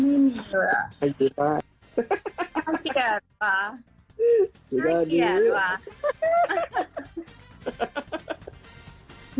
หนะเกียจหนะเกียจ